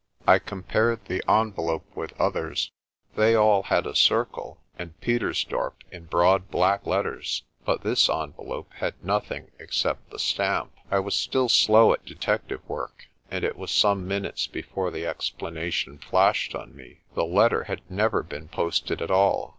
I compared the envelope with others. They all had a circle, and "Pietersdorp' 7 in broad black let ters. But this envelope had nothing except the stamp. I was still slow at detective work, and it was some min utes before the explanation flashed on me. The letter had never been posted at all.